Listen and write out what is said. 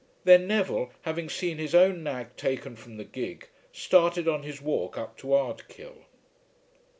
Then Neville, having seen his own nag taken from the gig, started on his walk up to Ardkill.